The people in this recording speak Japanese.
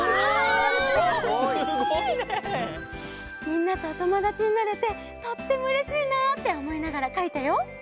みんなとおともだちになれてとってもうれしいなっておもいながらかいたよ。